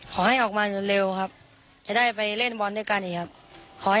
ขอให้ออกมาเร็วครับจะได้ไปเล่นบอลด้วยกันอีกครับ